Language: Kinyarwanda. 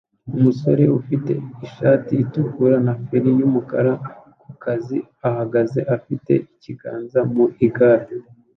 Umusore ufite ishati itukura na feri yumukara ku kazi ahagaze afite ikiganza mu igare